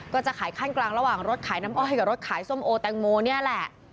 ก็จะขายขั้นกลางระหว่างรถขายน้ำอ้อยกับรถขายส้มโอแตงโมนี่แหละ